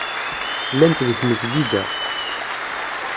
Llant deg tmesgida.